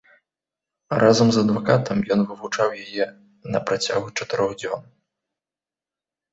Разам з адвакатам ён вывучаў яе на працягу чатырох дзён.